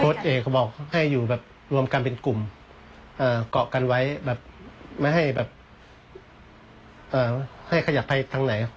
โค้ดเอกเขาบอกให้อยู่รวมกันเป็นกลุ่มเกาะกันไว้ไม่ให้ขยับไปทางไหน